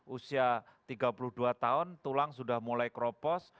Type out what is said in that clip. usia tiga puluh dua tahun tulang sudah mulai keropos